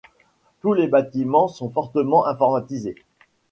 Tous les bâtiments sont fortement informatisés.